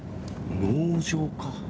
農場か。